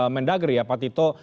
mendagri pak tito